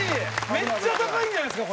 めっちゃ高いんじゃないですか？